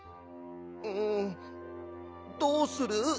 うんどうする？